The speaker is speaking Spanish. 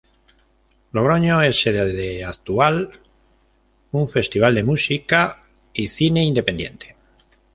Logroño es sede de Actual, un festival de música y cine independiente.